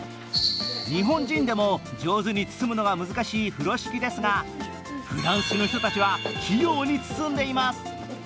日本人でも上手に包むのが難しい風呂敷ですがフランスの人たちは器用に包んでいます。